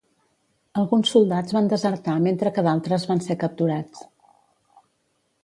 Alguns soldats van desertar mentre que d'altres van ser capturats.